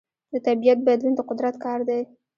د طبیعت بدلون د قدرت کار دی.